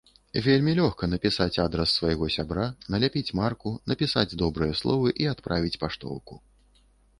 Вельмі лёгка напісаць адрас свайго сябра, наляпіць марку, напісаць добрыя словы і адправіць паштоўку.